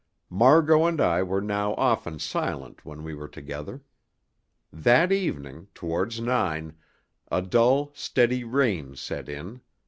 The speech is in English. Margot and I were now often silent when we were together. That evening, towards nine, a dull steady rain set in.